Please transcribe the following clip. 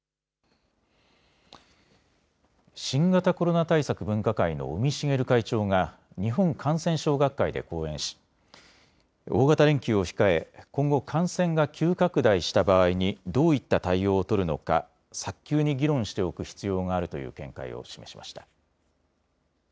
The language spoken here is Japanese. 新型コロナ対策分科会の尾身茂会長が日本感染症学会で講演し大型連休を控え今後、感染が急拡大した場合にどういった対応を取るのか早急に議論しておく必要があるという見解を示しました。